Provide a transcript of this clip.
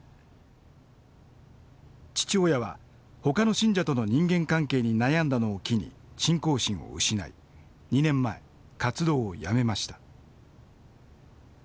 父親はほかの信者との人間関係に悩んだのを機に信仰心を失い２年前活動をやめました。